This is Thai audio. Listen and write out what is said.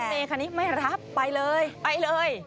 แต่รถเมฆคนนี้ไม่รับไม่ค่อยไปเลย